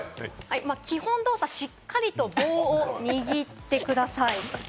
基本動作、しっかり棒を握ってください。